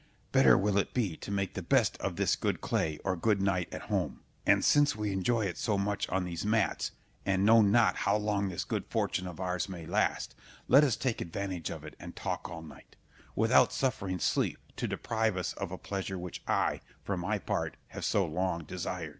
Better will it be to make the best of this good clay or good night at home; and since we enjoy it so much on these mats, and know not how long this good fortune of ours may last, let us take advantage of it and talk all night, without suffering sleep to deprive us of a pleasure which I, for my part, have so long desired.